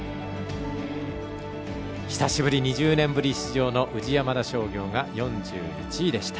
久しぶり、２０年ぶり出場の宇治山田商業が４１位でした。